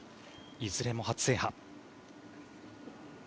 いずれも初制覇。